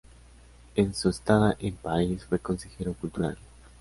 En su estada en París fue Consejero Cultural.